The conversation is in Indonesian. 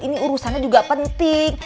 ini urusannya juga penting